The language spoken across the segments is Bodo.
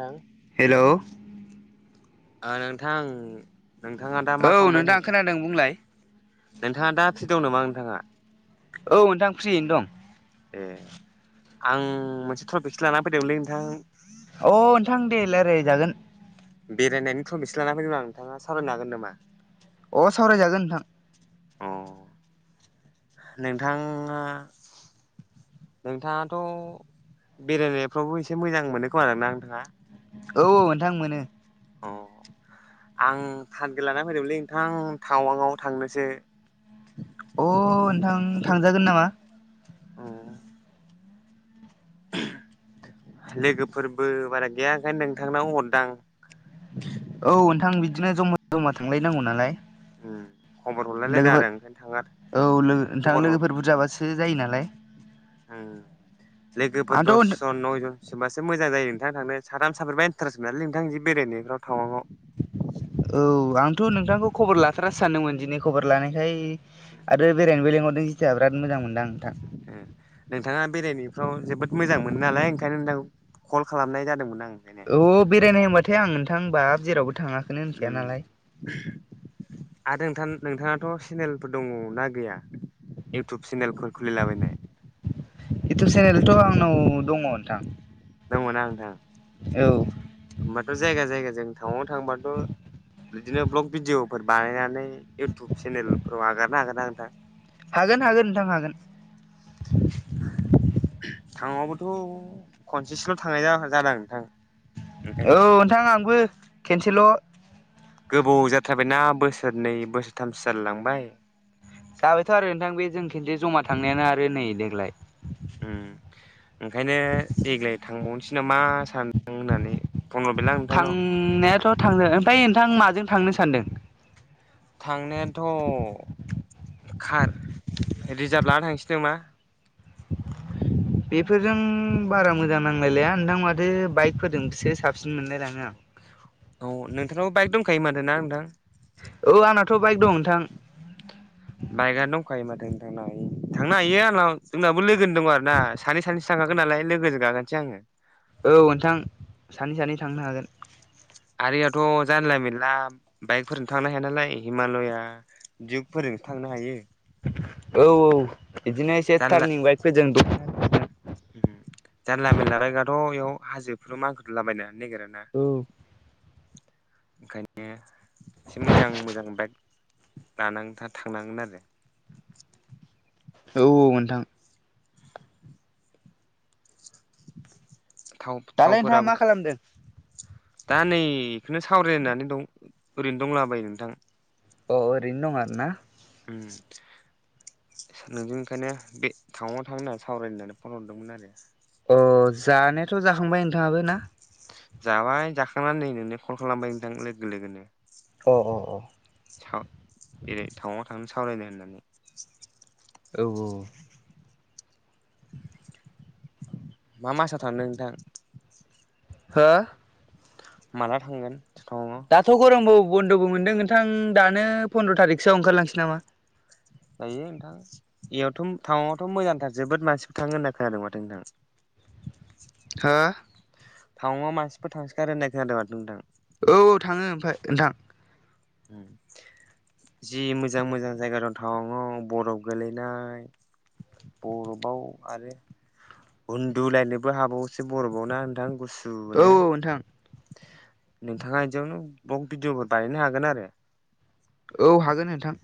नोंथां हेल ओ नोंथां नोंथाङा दा मा खालामबाय नोंथां दं खोनादों बुंलाय नोंथाङा दा फ्रि दं नामा नोंथाङा औ नोंथां फ्रियैनो दं ए आं मोनसे ट्रपिकसो लाना फैदोंमोनलै नोंथां अ नोंथां दे लाराय जागोन बेरायनायनि ट्रपिक लानानानै फैदोंमोन आं नोंथाङा सावरायनो हागोन नामा अ सावरायजागोन नोंथां अ नोंथाङा नोंथाङाथ' बेरायनायफ्रावबो एसे मोजां मोनो खोमा ना नोंथाङा? औ नोंथां मोनो। अ आं थारगेट लानानानै फैदोंमोनलै नोंथां टावांआव थांनोसो। अ नोंथां थांजागोन नामा। औ लोगोफोरबो बारा गैया ओंखायनो नोंथांनाव हरदां। औ नोंथां बिदिनो जमा जमा थांलायनांगौ नालाय। खबर हरलायलायदो लोगोफोर आरो ओंखायनो थाङा औ लोगो नोंथां खबर हर लोगोफोर बुरजाबासो जायो नालाय लोगोफोर आंथ' दस औ जन नयजन सोबासो मोजां जायो नोंथां थांनो साथाम साब्रैबा इन्टारेस्ट मोनालै नोंथां जि बेरायनायफ्राव थावाङाव। औ आंथ' नोंथांखौ खबर लाथ्रासो सानदोंमोन दिनै खबर लानायखाय आरो बेरायनोबो लेेंहरदों जिथिया बिराद मोजां मोनदों आं नोंथां। नोंथाङा बेरायनायफ्राव जोबोद मोजां मोनो नालाय ओंखायनो नोंथां कल खालामनाय जादोंमोन आङो। औ बेरायनाय होनबाथाय आं नों थां होमबा जेरावबो थाङाखैनो होनखाया उम नालाय। आरो नोंथां नोंथाङाथ' सेनेलफोर दङ ना गैया इउटुब सेनेलफोर खुलिलाबायनाय? इउटुब चेनेलथ' आंनाव दङ नोंथां। दङ ना नोंथां? औ होमबाथ' जायगा जायगा जों टाउनाव थांबाथ' बिदिनो ब्लग भिडिअ' फोर बानायनानै इउटुब चेनेलफोराव आगारनो हागोन ना नोंथां। हागोन हागोन नोंथां हागोन। टावांआवबोथ' खनसेसोल' थांनाय जादों आं नोंथां। ओंखायनो औ नोंथां आंबो खेनसेल' गोबाव जाथारबायना बोसोरनै बोसोरथामसो जालाय लांबाय। जाबायथ' आरो नोंथां बे जों खनसे जमा थांनायानो आरो नै देग्लाय। उम बिखौनो मा सानदों होननानै फन हरबायलां नोंथांनाव थांनायाथ' थांनो ओमफ्राय नोंथां माजों थांनो सानदों? थांनायाथ' कार रिजार्भ लाना थांसै नामा। बेफोरजों बारा मोजां नांलायलाया नोंथां माथो बाइकफोरजोंसो साबसिन मोनलायलाङो आं। औ नोंथांनावबो बाइक दंखायो माथो ना नोंथां? औ आंनाथ' बाइक दं नोंथां। बाइकआनो दंखायो माथो थांनो हायो थांनो हायो आंनाव जोंनाबो लोगोनि दं आरो ना सानै सानैसो थांखाखोन नालाय लोगोजों गाखोनोसै आङो। औ नोंथां सानै सानै थांनो हागोन। गारियाथ' जानला मोनला बाइकफोरजों थांनो हाया नालाय हिमालया दियुगफोरजों सो थांनो हायो। औ औ बिदिनो एसे जानला टार्निं बाइकफोरजों दख'ना जानला मेनला बाइकफ्राथ' बेयाव हाजोफोर मानखोलाबायनो नागिरा ना औ ओंखायनो। एसे मोजां मोजां बाइक लाना थांनांगोन आरो। औ औ नोंथां। थाव दालाय नोंथाङा थावफोराबो मा खालामदों? दा नै बेखौनो सावरायनानै दं ओरैनो दंलाबायो नोंथां। अ ओरैनो दं आरो ना। उम नोंजों ओंखायनो बे टाउवांयाव थांनो होननानै सावरायनो फन हरदोंमोन आरो। अ जानायाथ' जाखांबाय नोंथाङाबो ना? जाबाय जाखांनानै नै नोंनो कल खालामबाय नोंथां लोगो लोगोनो अ अ अ टाउनआव बेरायनो थवां थांनोसै सावरायनो होननानै औ औ मा मासाव थांदों नोंथां हो माला थांगोन? टाउनाव दाथ' गरमबो बन्द'बो मोनदों नोंथां दानो पन्द्र' थारिखसोआव ओंखारलांसै नामा। जायो नोंथां बेयावथ' टाउनावथ' मोजांथार जोबोद मानसिफोर थाऔङो होनना खोनादों माथो नोंथां। [inaudible] हो टावांआव मानसिफोर थांसो गारो होननाय खोनादों माथो नोंथां। औ औ थांङो ओमफ्राय नोंथां उ जि मोजां मोजां जायगा दंथारो टावांआव बरफ गोलैनाय बरफाव आरो उन्दुलायनोबो हाबावोसो बर'बाव ना नोंथां गुस औ नोंथां नोंथाङा बिदियावनो बलक भिडिअफोर बानायनो हागोन आरो। औ हागोन नोंथां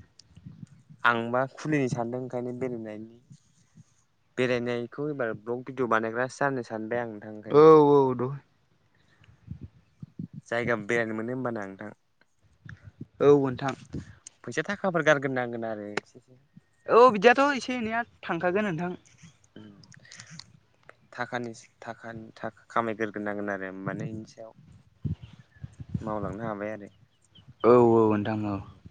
आंबा खुलिनो सान्दों ओंखायनो बेरायनायनि बेरायनायखौ एबार ब्लग भिडिअ बानायग्रासो जानो सानबाय आंङो औ औ द' जायगा बेरायनो मोनो होमब ना नोंथां औ नोंथां फैसा गारग्रोनांगोन आरो एसे औ बिदियाथ' एसे एनैया थांखागोन नोंथां। [unintelligible] थाखानि थाख थाख खामायग्रोग्रोनांगोन आरो माने बिनि सायाव मावलांनो हाबाय आरो औ औ नोंथां औ खामानियाव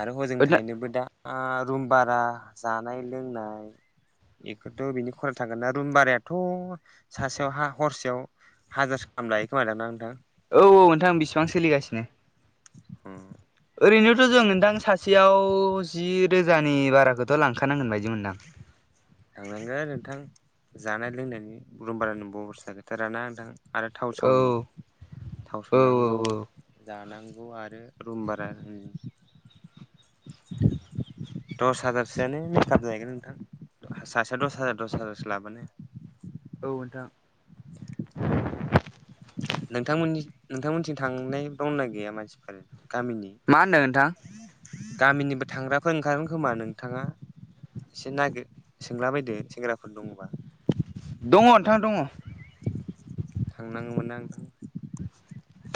आरो हजों औ थायनोबो दा रुम बारा जानाय लोंनाय बेखौथ' बिनि खरा थागोन ना रुम बारायाथ' सासेयाव हा हरसेयाव हाजारसो गाहाम लायो खोमादां ना नोंथां औ औ नोंथां बेसिबां सोलिगासिनो ह ओरैनोथ' जों नोंथां सासेयाव जि रोजानि बाराखौथ' लांखानांगोन बायदिमोनदां [inaudible] लांनांगोन नोंथां जानाय लोंनायनि रुमबारों बरसा गैथाराना नोंथां आरो थाव औ सावनि थाव औ सुनांगौ औ जानांगौ आरो रुम बारा होनो सासेयाव दस हाजार दस हाजारसो लाबानो औ नोंथां [inaudible] नोंथांमोननि नोंथांमोनथिं थांनाय दावना गैया मानसिफोर गामिनि मा होनदों नोंथां गामिनिबो थांग्राफोर ओंखारगोन खोमा नोंथाङा एसे नागिर सोंला बायदो सेंग्राफोर दङबा दङ नोंथां दङ थांनाङोमोन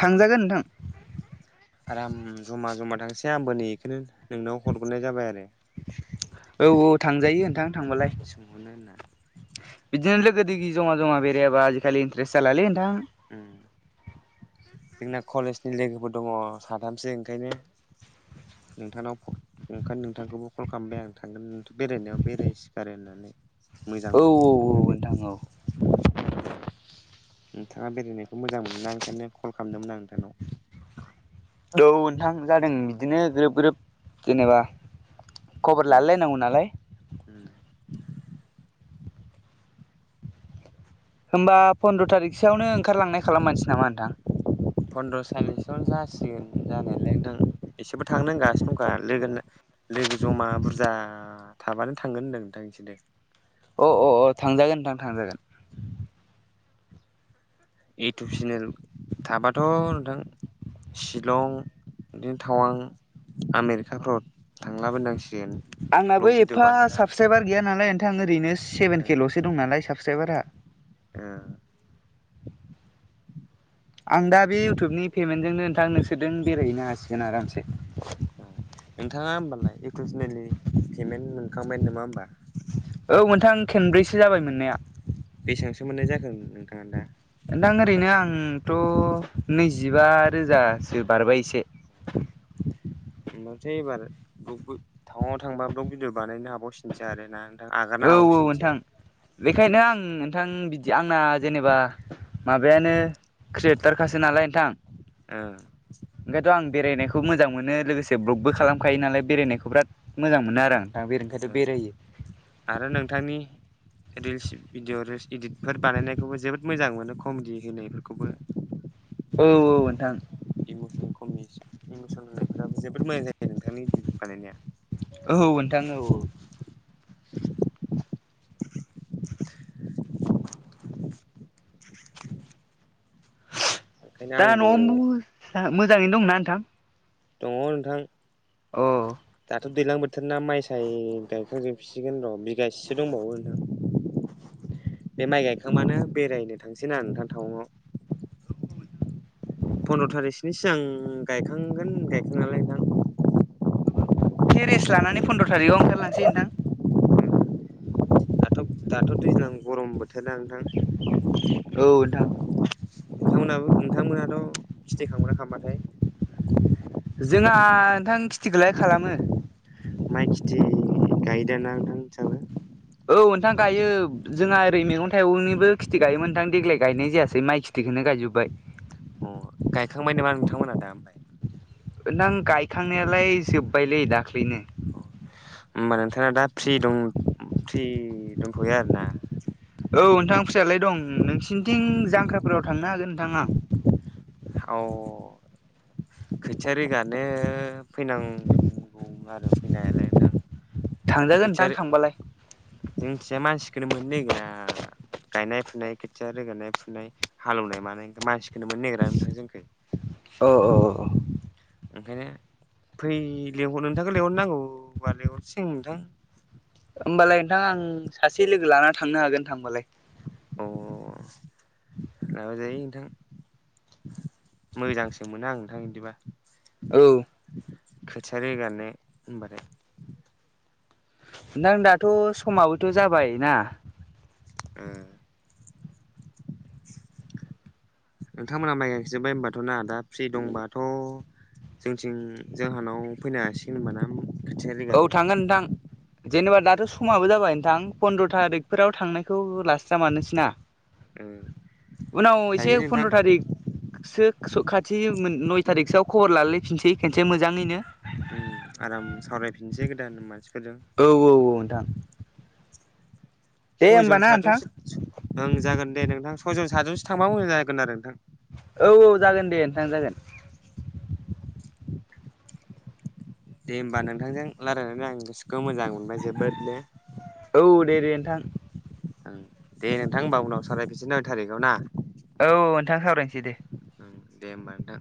थांजागोन नोंथां आराम जमा जमा थांसै आंबो नै बेखौनो नोंनाव हरग्रोनाय जाबाय आरो औ औ थांजायो नोंथां थांबालाय सोंहरनो होनना गोदो जमा जमा बेरायाबा आजिखालि इन्ट्रेस जालालै नोंथां होम जोंना कलेजनि लोगोफोर दङ साथामसो ओंखायनो नोंथांनाव ओंखायनो नोंथांखौबो कल खालामबाय आं थांगोनोंथ' बेरायनायाव बेरायसिगारो होननानै मोजां औ औ मोनो औ साननानै नोंथां औ नोंथाङा बेरायनायखौ मोजां मोन ना ओंखायनो कल खालामदोंमोन आं नोंथांनाव औ नोंथां जादों बिदिनो ग्रोब ग्रोब जेनेबा खबर उम लालाय लायनांगौ नालाय उम होमबा पन्द्र' थारिखसोआवनो ओंखारलांनाय खालाम मारनोसै नामा नोंथां फन्द्र' सालिसन जासिगोन जानायालाय नोंथां इसेबो थांनो होंगासिनो दंखा लोगो लोगो जमा बुरजा थाबानो थांगोन होनदों नोंथां इसोरो। अ अ अ थांजोन नोंथां थांजागोन। इउटुब चेनेल थाबाथ' नोंथां। शिलं बिदिनो टावां आमेरिकाफ्राव थांलाबायनो। आंनाबो एफा साबसक्राइबार गैया नालाय नोंथां ओरैनो सेभेन के ल'सो दं नालाय साब सक्राइबारा। उम। आं दा बे इउटुबनि पेमेन्टजोंनो नोंथां नोंसोरदों बेरायहैनो हासिगोन आरामसे। औ नोंथाङा होमबालाय इउटुब सेनेलनि पेमेन्ट मोनखांबाय नामा होमबा। औ मोनथां खेनब्रैसो जाबाय मोननाया। बेसेबांसो मोननाय जाखो नोंथाङा दा। नोंथां ओरैनो आंथ' नैजिबा रोजासो बारबाय एसे। [inaudible] होनबाथाय एबार ब्लक बि टावां आव थांब्ला ब्लक भिडिअ बानायनो हाबावसिनगोनसो आरो ना। औ आगारनो हाबावसिगोनसो। नोंथां बेखायनो आं नोंथां बिदि आंना जेनेबा माबायानो। क्रियेटार खासो नालाय नोंथां। औ। बेखायथ' आं बेरायनायखौ मोजां मोनो लोगोसे ब्लगबो खालामखायो नालाय बेरायनायखौ बिराद। मोजां मोनो आरो ओं नोंथां बेर ओंखायनोथ' बेरायो। आरो नोंथांनि रिल्स भिडिअ रिल्स इदितफोर बानायनायखौबो जोबोद मोजां मोनो कमेडि होनाय। औ औ नोंथां। इमसन कमि इमसन होनायफोराबो जोबोद मोजां जायो नोंथांनि इदित बानायनाया। थाङो औ। ओंखायनो दा आंबो। न'आव मोजाङैनो दंना नोंथां। दङ नोंथां। अ। दाथ' दैलां बोथोरना माइ साय गायखां जोबसिगोन र' बिगासेसो दंबावो नोंथां। बे माइ गायखां बानो बेरायनो थांसै ना नोंथां टाउनाव। फन्द्र' थारिखसोनि सिगां गायखांगोन गायखां नालाय नोंथां। एसे रेस्ट लानानै फन्द्र' थारिखआव ओंखारलांसै नोंथां। दाथ' दाथ' दैज्लां गरम बो थोर ना नोंथां औ नोंथां नोंथांमोनाबो। नोंथांमोनहाथ' खिथि खालामो ना खालामाथाय। जोंहा नोंथां खिथिखोलाय खालामो। गायदो ना नोंथां नोंसाबो। औ नोंथां गायो जोंहा ओरै मैगं थाइगंनिबो खिथि गायोमोनथां देग्लाय गायनाय जायासै माइ खिथिखोनो गाय जोब्बाय। अ गायखांबाय नामा नोंथांमोना दा ओमफ्राय। नोंथां गायखांनायालाय जोबबायलै दाख्लैनो। होमबा नोंथाङा दा फ्रि दं फ्रि दंथ'यो आरो ना। औ नोंथां फ्रियालाय दं नोंसिनिथिं जांख्राफोराव थांनो हागोन नोंथां आं। औ खोथिया रोगा नो फैनांगौमोन आरो फैनायालाय नोंथां। थांजागोन नोंथां थांबालाय। जोंथिजा मानसिखोनो मोननो नागिरा। गायनाय फुनाय खोथिया रोगोनाय फुनाय हालेवनाय मानाय मानसिखोनो मोननो नागिरा। नोंथां जोंखै औ औ औ। ओंखायनो फै लेंंहरनो नोंथांखौ लेंंहरनांगौबा लिंहरनोसै नोंथां होमबालाय नोंथां आं सासे लोगो लानि थांनो हागोन थांबालाय। अ लाबाय जायो नोंथां। मोजांसो मोनो आं नोंथां बिदिबा। औ खोथिया रोगानो होनबाथाय। नों दाथ'श समाबोथ जाबाय ना। [unintelligible] नोंथांमोना माइ गायजोब्बाय होनबाथ ना दा। फ्रि दंबाथ जोंथिं जोंहानाव फैनो हासिगोन होनबाना। औ थांगोन नोंथां। जेनेबा दाथ समाबो जाबाय नोंथां पन्द्र थारिखफोराव थांनायखौ लास्रा मानोसैनाा। ओ उनाव जायो एसे नोंथां फन्द्र थारिखसो खाथि नय थारिखसोआव। खबर लालायफिनसै खनसे मोजाङैनो। आराम सावरायफिनसै गोदान मानसिफोरजों। थां सयजन नोंथां सातजनसो ओं जागोन दे नोंथां सयजन सातजनसो थांबा मोजां जागोन आरो नोंथां।। औ औ जागोन दे नोंथां जागोन। दे होमबा नोंथांजों रायलायनानै आं गोसोखौ मोजां मोनबाय जोबोद दे। औ दे दे नोंथां। दे नोंथां होनबा उनाव सावरायफिनसै थारिखाव ना। औ नोंथां सावरायनोसै दे। दे होमबा नोंथां।